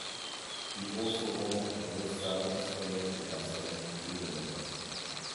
He also won at Losail, Spain and Assen, Netherlands.